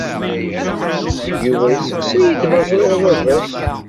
Yuba yesseqsa-iyi-d ma ẓriɣ baba-s.